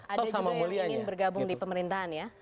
ada juga yang ingin bergabung di pemerintahan ya